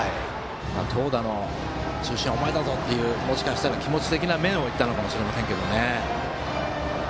投打の中心はお前だぞというもしかしたら気持ち的な面を言ったのかもしれませんね。